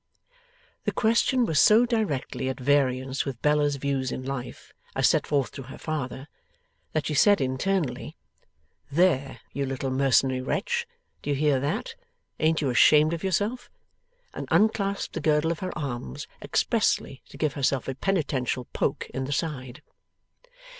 The question was so directly at variance with Bella's views in life, as set forth to her father, that she said internally, 'There, you little mercenary wretch! Do you hear that? Ain't you ashamed of your self?' and unclasped the girdle of her arms, expressly to give herself a penitential poke in the side.